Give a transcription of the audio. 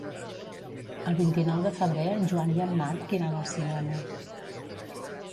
El vint-i-nou de febrer en Joan i en Marc iran al cinema.